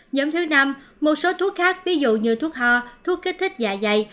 nhóm thứ năm một số thuốc khác ví dụ như thuốc ho thuốc kích thích dạ dày